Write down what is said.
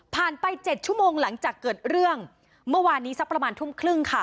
ไปเจ็ดชั่วโมงหลังจากเกิดเรื่องเมื่อวานนี้สักประมาณทุ่มครึ่งค่ะ